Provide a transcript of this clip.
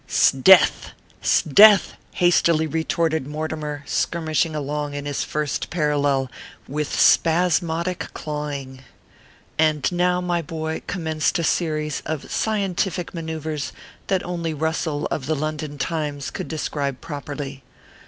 " Sdeath. ! Sdeath !" hastily retorted Mortimer, skirmishing along in his first parallel with spasmodic clawing. And now, my boy, commenced a series of scientific manoeuvres that only Russell, of the London Times, could describe properly.